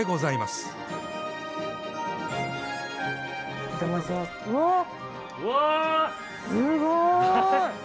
すごい！